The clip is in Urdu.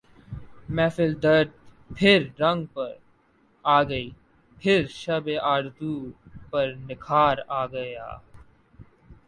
محفل درد پھر رنگ پر آ گئی پھر شب آرزو پر نکھار آ گیا